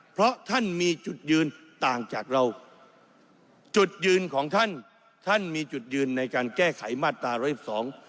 เพราะท่านมีจุดยืนต่างจากเราจุดยืนของท่านท่านมีจุดยืนในการแก้ไขมาตราร้อยสิบสอง